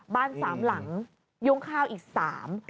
บ้านสามหลังยุ่งข้าวอีก๓บาท